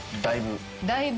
だいぶ？